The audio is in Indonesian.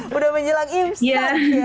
sudah menjelang imsak ya